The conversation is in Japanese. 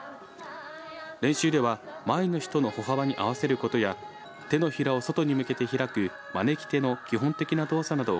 練習では前の人の歩幅に合わせることや手のひらを外に向けて開く招き手の基本的な動作などを